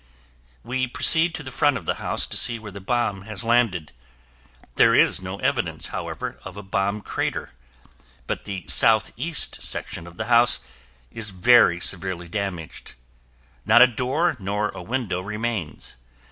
We proceed to the front of the house to see where the bomb has landed. There is no evidence, however, of a bomb crater; but the southeast section of the house is very severely damaged. Not a door nor a window remains.